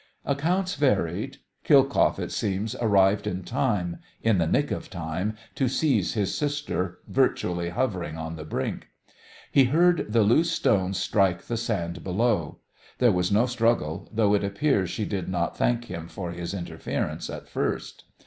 Accounts varied. Khilkoff, it seems, arrived in time in the nick of time to seize his sister, virtually hovering on the brink. He heard the loose stones strike the sand below. There was no struggle, though it appears she did not thank him for his interference at first.